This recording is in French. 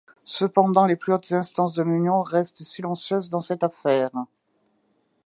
Cependant, les plus hautes instances de l'Union restent silencieuses dans cette affaire.